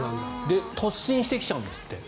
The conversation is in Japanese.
で突進してきちゃうんですって。